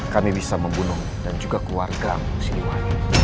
kami bisa membunuhmu dan juga keluargamu